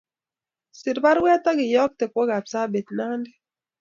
Ser baruet akiyokte kwa Kapsabet, Nandi